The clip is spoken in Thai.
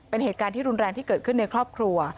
เป็นเหตุการณ์ที่รุนแรงที่เกิดขึ้นในครอบครัว